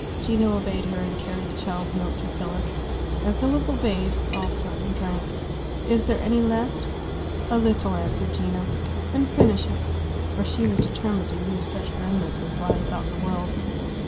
Gino obeyed her, and carried the child's milk to Philip. And Philip obeyed also and drank. "Is there any left?" "A little," answered Gino. "Then finish it." For she was determined to use such remnants as lie about the world.